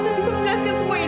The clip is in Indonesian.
saya bisa menjelaskan semua ini